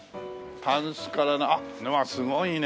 タンスからうわっすごいね。